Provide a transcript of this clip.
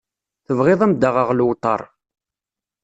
Tebɣiḍ ad m-d-aɣeɣ lewṭer